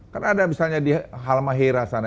kan ada misalnya di halmahera sana